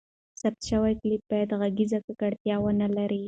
ثبت شوی کلیپ باید ږغیزه ککړتیا ونه لري.